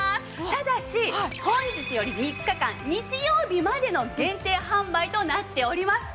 ただし本日より３日間日曜日までの限定販売となっております。